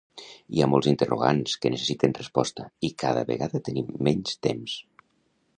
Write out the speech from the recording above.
Hi ha molts interrogants que necessiten resposta i cada vegada tenim menys temps.